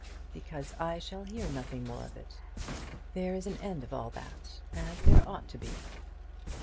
"Because I shall hear nothing more of it. There is an end of all that, as there ought to be."